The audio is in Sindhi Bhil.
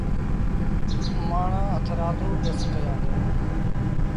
مآڻهآݩ هٿرآدو ڏس ڪيآݩدوݩ۔